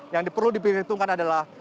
yang perlu dipenuhi hitungan adalah